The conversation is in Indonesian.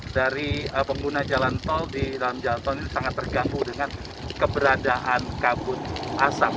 dari pengguna jalan tol di dalam jalan tol ini sangat terganggu dengan keberadaan kabut asap